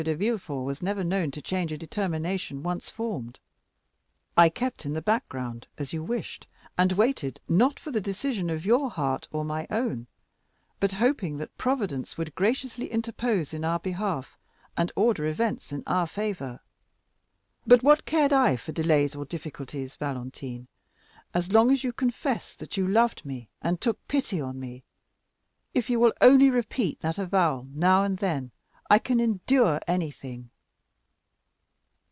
de Villefort was never known to change a determination once formed. I kept in the background, as you wished, and waited, not for the decision of your heart or my own, but hoping that Providence would graciously interpose in our behalf, and order events in our favor. But what cared I for delays or difficulties, Valentine, as long as you confessed that you loved me, and took pity on me? If you will only repeat that avowal now and then, I can endure anything."